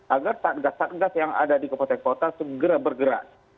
agar saat gas satgas yang ada di kepotek kota segera bergerak